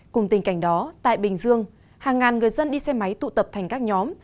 cùng tình cảnh đó tại bình dương hàng ngàn người dân đi xe máy tụ tập thành các nhóm